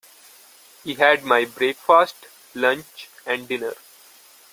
He had my breakfast, lunch and dinner.